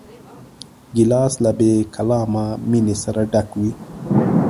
ګیلاس له بېکلامه مینې سره ډک وي.